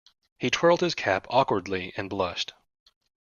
He twirled his cap awkwardly and blushed.